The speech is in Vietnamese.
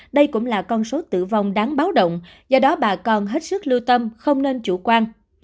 đây cũng là con số tử vong đáng báo động do đó bà con hết sức lưu tâm không nên chủ quan